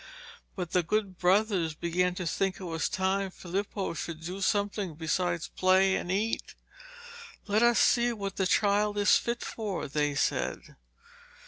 But the good brothers began to think it was time Filippo should do something besides play and eat. 'Let us see what the child is fit for,' they said.